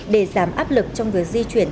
để giảm áp lực trong việc di chuyển